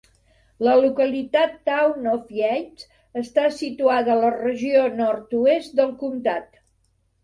La localitat Town of Yates està situada a la regió nord-oest del comtat.